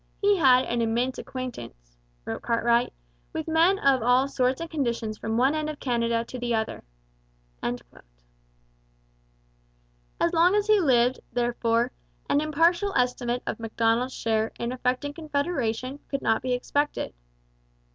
'He had an immense acquaintance,' wrote Cartwright, 'with men of all sorts and conditions from one end of Canada to the other.' As long as he lived, therefore, an impartial estimate of Macdonald's share in effecting Confederation could not be expected.